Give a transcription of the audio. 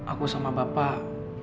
aku sama bapak